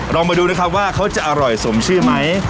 ลองมาดูนะครับว่าเขาจะอร่อยสมชื่อไหม